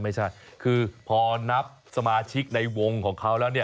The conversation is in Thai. ไม่ใช่คือพอนับสมาชิกในวงของเขาแล้วเนี่ย